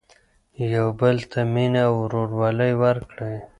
يو بل ته مينه او ورورولي ورکړئ.